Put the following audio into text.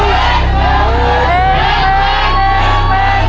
เร็ว